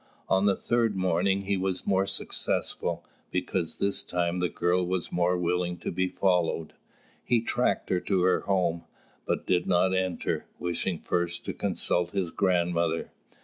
On the third morning, he was more successful, because this time the girl was more willing to be followed. He tracked her to her home, but did not enter, wishing first to consult his grandmother.